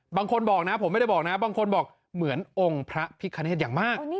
บางคนบอกนะผมไม่ได้บอกนะบางคนบอกเหมือนองค์พระพิคเนธอย่างมาก